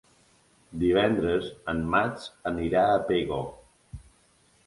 Divendres en Max anirà a Pego.